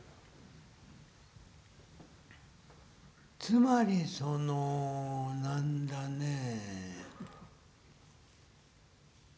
「つまりその何だねえ」。